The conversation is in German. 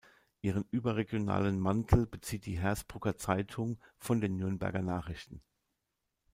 Ihren überregionalen Mantel bezieht die Hersbrucker Zeitung von den "Nürnberger Nachrichten".